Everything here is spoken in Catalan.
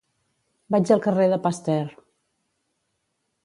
Vaig al carrer de Pasteur.